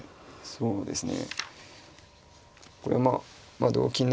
そうですね。